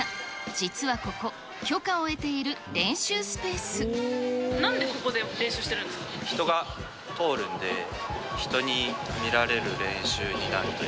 実はここ、なんでここで練習してるんで人が通るんで、人に見られる練習になってる。